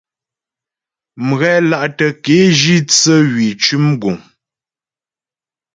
Mghɛla'tə ke jǐ tsə hwî cʉm guŋ.